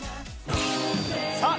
さあ